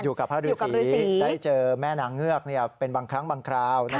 กับพระฤษีได้เจอแม่นางเงือกเป็นบางครั้งบางคราว